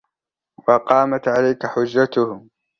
وَقَامَتْ عَلَيْك حُجَّتُهُ